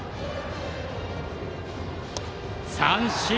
三振！